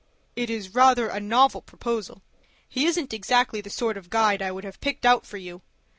"It is rather a novel proposal. He isn't exactly the sort of guide I would have picked out for you.